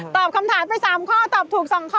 ตอบคำถามไป๓ข้อตอบถูก๒ข้อ